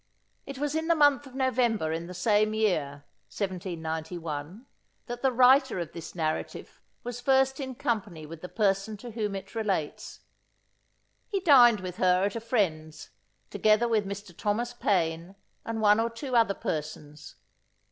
It was in the month of November in the same year (1791), that the writer of this narrative was first in company with the person to whom it relates. He dined with her at a friend's, together with Mr. Thomas Paine and one or two other persons.